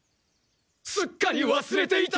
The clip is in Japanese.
すっかり忘れていた！